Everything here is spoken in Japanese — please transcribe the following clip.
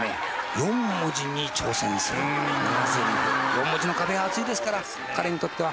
４文字の壁は厚いですから彼にとっては。